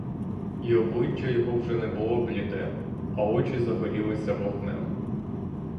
І обличчя його вже не було бліде, а очі загорілися вогнем.